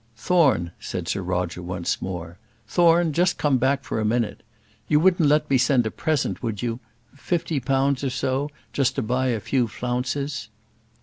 "Thorne," said Sir Roger once more. "Thorne, just come back for a minute. You wouldn't let me send a present would you, fifty pounds or so, just to buy a few flounces?"